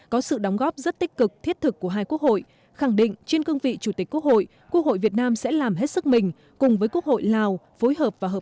có sự đóng góp rất tích cực thiết thực của hai quốc hội khẳng định trên cương vị chủ tịch quốc hội